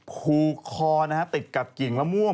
พูคอติดกับเกียงละม่วง